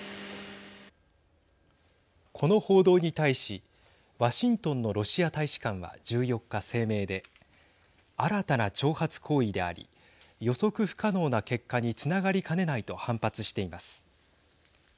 この報道に対しワシントンのロシア大使館は１４日、声明で新たな挑発行為であり予測不可能な結果につながりかねないと反発しています。